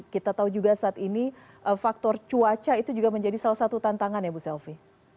kita tahu juga saat ini faktor cuaca itu juga menjadi salah satu tantangan ya bu selvi